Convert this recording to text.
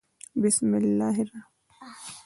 _بسم الله.